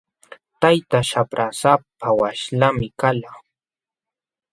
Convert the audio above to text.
Taytaa shaprasapa walaśhmi kalqa.